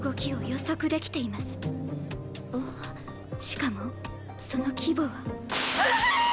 しかもその規模は。